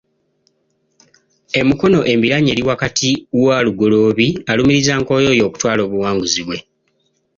E Mukono, embiranye eri wakati wa Lugoloobi alumiriza Nkoyooyo okutwala obuwanguzi bwe.